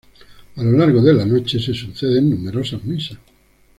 A lo largo de la noche, se suceden numerosas misas.